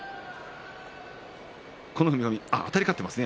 あたり勝っていますね。